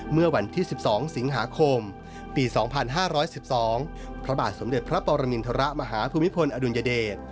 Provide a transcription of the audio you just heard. เมื่อวันที่๑๒สิงหาคมปี๒๕๑๒พระบาทสมเด็จพระปรมินทรมาฮภูมิพลอดุลยเดช